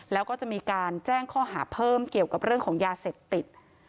แล้วก็จะมีการแจ้งข้อหาเพิ่มเกี่ยวกับเรื่องของยาเสพติด